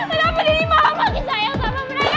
kenapa deddy malah lagi sayang sama mereka